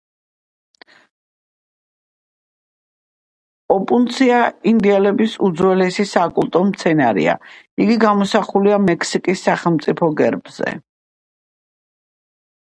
ოპუნცია ინდიელების უძველესი საკულტო მცენარეა; იგი გამოსახულია მექსიკის სახელმწიფო გერბზე.